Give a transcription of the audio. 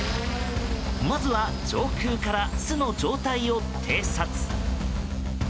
まずは上空から巣の状態を偵察。